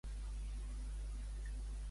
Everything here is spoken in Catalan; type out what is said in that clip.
Què li passa al jove rei?